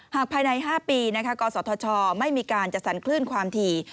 ภายใน๕ปีกศธชไม่มีการจัดสรรคลื่นความถี่